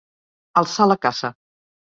Alçar la caça.